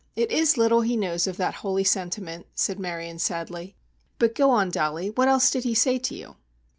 It is little he knows of that holy sentiment," said Marion, sadly, "but go on Dollie, what else did he say to you?"